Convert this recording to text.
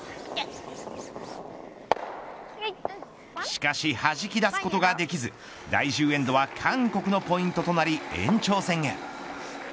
しかし弾き出すことができず第１０エンドは韓国のポイントとなり延長戦へ。